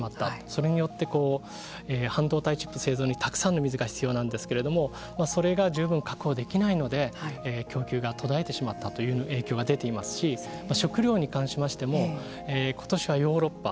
それによって半導体チップ製造にたくさんの水が必要なんですけれどもそれが十分確保できないので供給が途絶えてしまったという影響が出ていますし食糧に関しましても今年はヨーロッパ